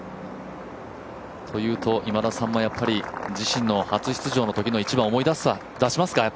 今田さんも自身の初出場のときの一打を思い出しますか。